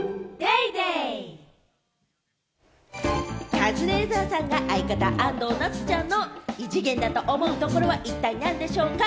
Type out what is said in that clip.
カズレーザーさんが相方の安藤なつちゃんの異次元だと思うところは一体何でしょうか？